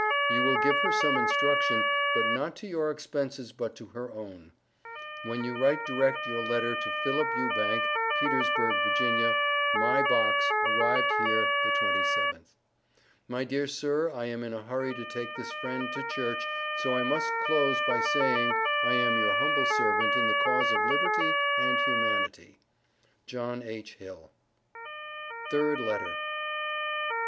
You will give her some instruction, but not to your expenses but to her own. When you write direct your letter to Phillip Ubank, Petersburg, Va. My Box arrived here the 27th. My dear sir I am in a hurry to take this friend to church, so I must close by saying I am your humble servant in the cause of liberty and humanity. JOHN H. HILL. THIRD LETTER.